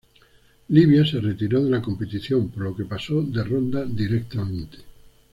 Libia se retiró de la competición, por lo que pasó de ronda directamente.